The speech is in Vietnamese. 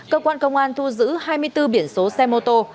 cơ quan công an thu giữ hai mươi bốn biển số xe mô tô